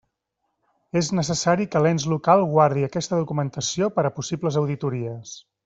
És necessari que l'ens local guardi aquesta documentació per a possibles auditories.